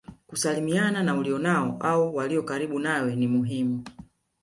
Kusalimiana na ulionao au walio karibu nawe ni muhimu